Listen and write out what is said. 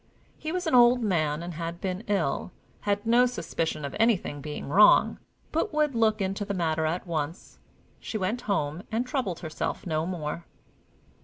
He was an old man, and had been ill; had no suspicion of anything being wrong, but would look into the matter at once. She went home, and troubled herself no more.